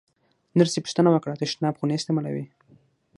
نرسې پوښتنه وکړه: تشناب خو نه استعمالوې؟